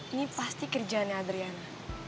ini pasti kerjaannya adriana